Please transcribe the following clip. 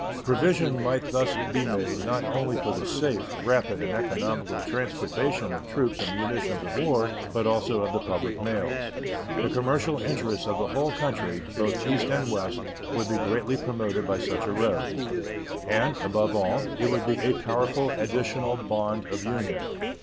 Provision might thus be made not only for the safe, rapid, and economical transportation of troops and munitions of war, but also of the public mails. The commercial interests of the whole country, both East and West, would be greatly promoted by such a road, and, above all, it would be a powerful additional bond of union.